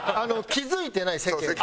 気付いてない世間が。